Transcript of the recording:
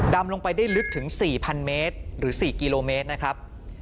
ดำลงไปได้ลึกถึง๔๐๐เมตรหรือ๔กิโลเมตรนะครับ